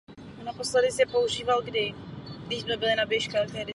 Obvykle termín odkazuje na náboženské písně a melodie.